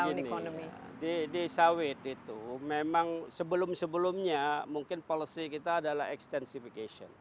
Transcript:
jadi brown economy di sawit itu memang sebelum sebelumnya mungkin policy kita adalah extensification